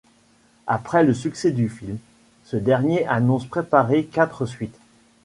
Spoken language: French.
Après le succès du film, ce dernier annonce préparer quatre suites.